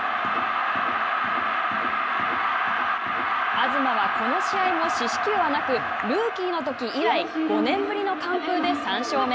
東はこの試合も四死球はなくルーキーのとき以来５年ぶりの完封で３勝目。